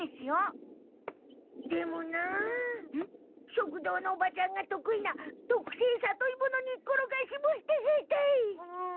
食堂のおばちゃんが得意なとくせいさといものにっころがしもすてがたい。